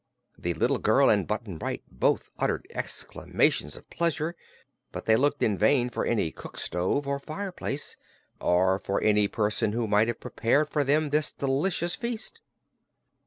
The little girl and Button Bright both uttered exclamations of pleasure, but they looked in vain for any cook stove or fireplace, or for any person who might have prepared for them this delicious feast.